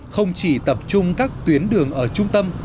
không chỉ tập trung các tuyến đường ở trung tâm